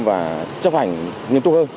và chấp hành nghiêm túc hơn